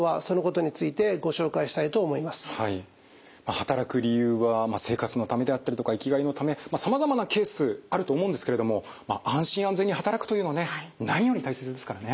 働く理由は生活のためであったりとか生きがいのためさまざまなケースあると思うんですけれども安心安全に働くというのはね何より大切ですからね。